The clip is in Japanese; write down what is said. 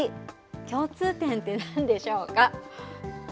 共通点って、なんでしょうか？